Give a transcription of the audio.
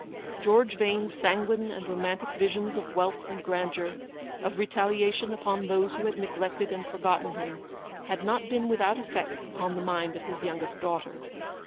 George Vane's sanguine and romantic visions of wealth and grandeur, of retaliation upon those who had neglected and forgotten him, had not been without effect upon the mind of his youngest daughter.